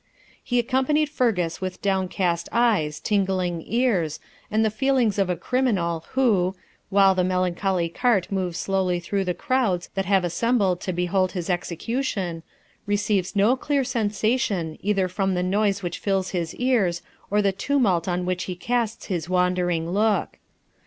He accompanied Fergus with downcast eyes, tingling ears, and the feelings of the criminal who, while the melancholy cart moves slowly through the crowds that have assembled to behold his execution, receives no clear sensation either from the noise which fills his ears or the tumult on which he casts his wandering look.